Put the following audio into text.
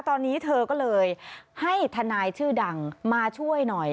ตอนนี้เธอก็เลยให้ทนายชื่อดังมาช่วยหน่อย